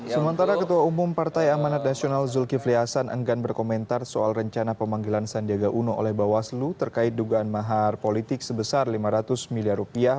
sementara ketua umum partai amanat nasional zulkifli hasan enggan berkomentar soal rencana pemanggilan sandiaga uno oleh bawaslu terkait dugaan mahar politik sebesar lima ratus miliar rupiah